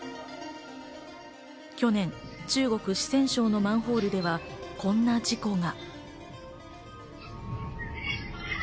去年、中国・四川省のマンホールではこんな事故が。